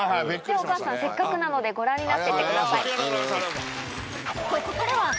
お母さんせっかくなのでご覧になっていってください。